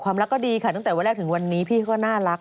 รักก็ดีค่ะตั้งแต่วันแรกถึงวันนี้พี่เขาก็น่ารัก